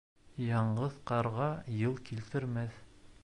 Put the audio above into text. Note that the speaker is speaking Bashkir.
Яңғыҙ ҡарға йыл килтермәҫ